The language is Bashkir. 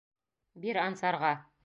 Бир Ансарға.